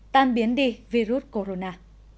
tan biến đi virus corona